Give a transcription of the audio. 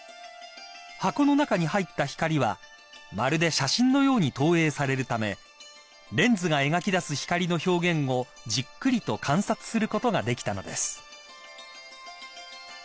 ［箱の中に入った光はまるで写真のように投影されるためレンズが描き出す光の表現をじっくりと観察することができたのです］